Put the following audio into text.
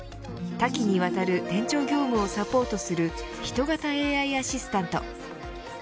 多岐にわたる店長業務をサポートする人型ＡＩアシスタント。